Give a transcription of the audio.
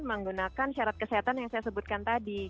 menggunakan syarat kesehatan yang saya sebutkan tadi